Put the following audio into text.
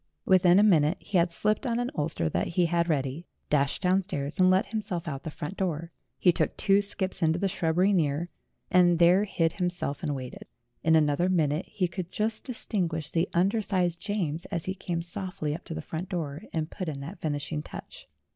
Within a minute he had slipped on an ulster that he had ready, dashed down stairs, and let himself out of the front door. He took two skips into the shrubbery near, and there hid him self and waited. In another minute he could just dis tinguish the under sized James as he came softly up to the front door, and put in that finishing touch.